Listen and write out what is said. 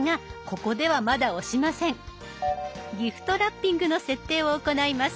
ギフトラッピングの設定を行います。